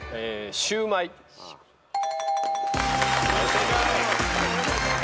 正解。